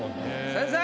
先生！